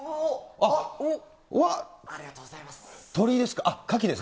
ありがとうございます。